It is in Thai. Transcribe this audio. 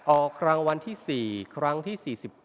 ออกรางวัลที่๔ครั้งที่๔๘